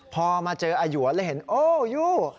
พอมาเจออาหยวนเลยเห็นโอ้ยู่